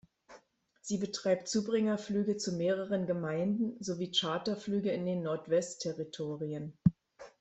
Sie betreibt Zubringerflüge zu mehreren Gemeinden, sowie Charterflüge in den Nordwest-Territorien.